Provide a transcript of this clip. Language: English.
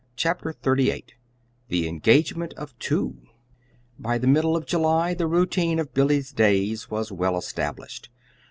CHAPTER XXXVIII THE ENGAGEMENT OF TWO By the middle of July the routine of Billy's days was well established.